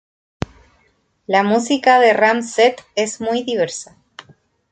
La música de Ram-Zet es muy diversa.